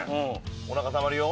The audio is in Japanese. おなかたまるよ。